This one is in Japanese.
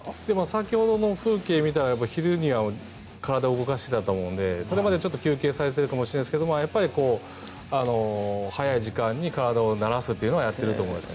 先ほどの風景を見たら昼には体を動かしてたと思うのでそれまで休憩されているかもしれないですけどやっぱり早い時間に体を慣らすというのはやっていると思います。